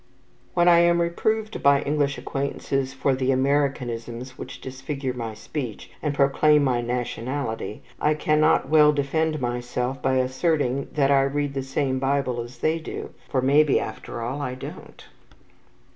When I am reproved by English acquaintances for the "Americanisms" which disfigure my speech and proclaim my nationality, I cannot well defend myself by asserting that I read the same Bible as they do, for maybe, after all, I don't.